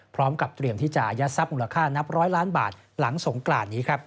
พร้อมกับเตรียมที่จะยัดทรัพย์มูลค่านับร้อยล้านบาทหลังสงกรานนี้ครับ